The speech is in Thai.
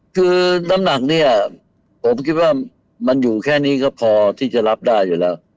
คือน้ำหนักเนี่ยผมคิดว่ามันอยู่แค่นี้ก็พอที่จะรับได้อยู่แล้ว